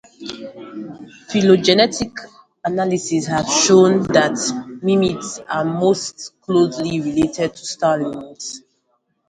Phylogenetic analyses have shown that mimids are most closely related to starlings.